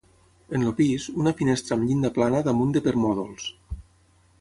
En el pis, una finestra amb llinda plana damunt de permòdols.